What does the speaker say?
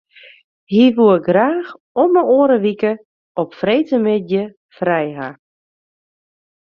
Hy woe graach om 'e oare wike op freedtemiddei frij hawwe.